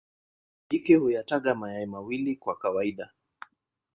Jike huyataga mayai mawili kwa kawaida.